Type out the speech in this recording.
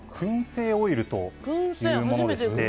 燻製オイルというものでして。